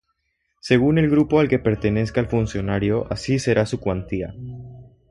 Según el grupo al que pertenezca el funcionario así será su cuantía.